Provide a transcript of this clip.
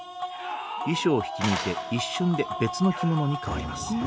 衣裳を引き抜いて一瞬で別の着物に替わります。